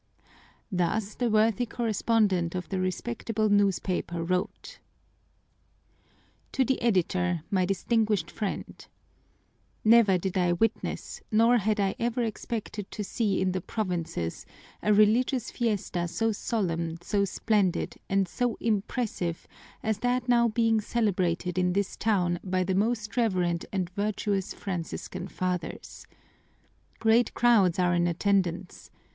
Thus the worthy correspondent of the respectable newspaper wrote: "TO THE EDITOR, MY DISTINGUISHED FRIEND, Never did I witness, nor had I ever expected to see in the provinces, a religious fiesta so solemn, so splendid, and so impressive as that now being celebrated in this town by the Most Reverend and virtuous Franciscan Fathers. "Great crowds are in attendance.